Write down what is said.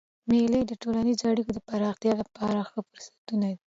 مېلې د ټولنیزو اړیکو د پراختیا له پاره ښه فرصتونه دي.